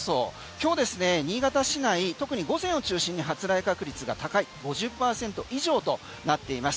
今日ですね、新潟市内特に午前を中心に発雷確率が高い５０％以上となっています。